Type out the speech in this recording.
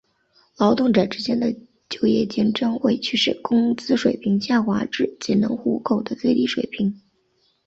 劳动者之间的就业竞争会驱使工资水平下滑至仅能糊口的最低水平。